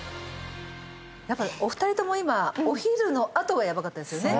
やっぱりお二人とも今お昼のあとがやばかったですよね